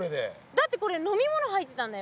だってこれ飲み物入ってたんだよ。